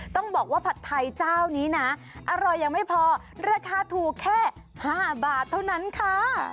ต้องบอกว่าผัดไทยเจ้านี้นะอร่อยยังไม่พอราคาถูกแค่๕บาทเท่านั้นค่ะ